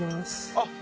あっ